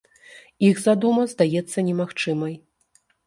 Іх задума здаецца немагчымай.